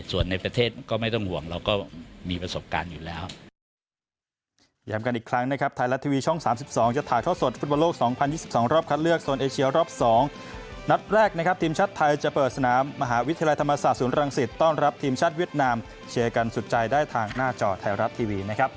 ส่วนในประเทศก็ไม่ต้องห่วงเราก็มีประสบการณ์อยู่แล้ว